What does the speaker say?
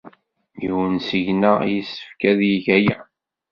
Yiwen seg-neɣ yessefk ad yeg aya.